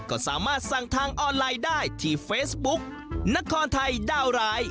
ก็สามารถสั่งทางออนไลน์ได้ที่เฟซบุ๊กนครไทยดาวร้าย